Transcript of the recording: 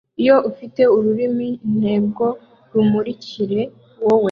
Iyo ufite urumuri ntebwo rumurikire wowe